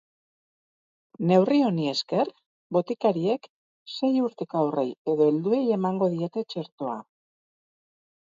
Neurri honi esker, botikariek sei urteko haurrei edo helduei emango diete txertoa.